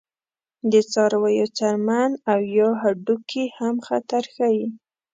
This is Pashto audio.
د څارویو څرمن او یا هډوکي هم خطر ښيي.